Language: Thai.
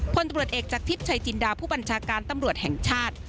พลตรวจเอกจากทิพย์ชัยจินดาผู้บัญชาการตำรวจแห่งชาติ